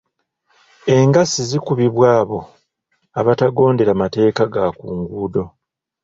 Engassi zikubibwa abao abatagondera mateeka ga ku nguudo.